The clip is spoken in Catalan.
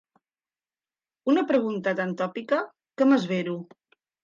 Una pregunta tan tòpica que m'esvero.